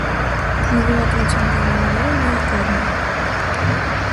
Նվիրատվության պայմանագիրը միակողմ է։